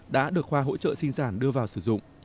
đã được khoa hỗ trợ sinh sản đưa vào sử dụng